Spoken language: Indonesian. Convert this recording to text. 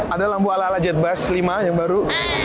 ada lambu ala ala jet bus lima yang baru